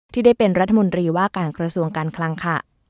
ที่ได้เป็นรัฐมนตรีว่าการกระทรวงการคลังค่ะ